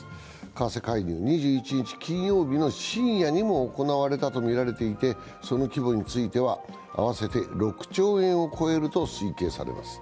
為替介入、２１日金曜日の深夜にも行われていたとみられていてその規模については、合わせて６兆円を超えると推計されます。